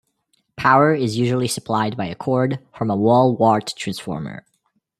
Power is usually supplied by a cord from a wall wart transformer.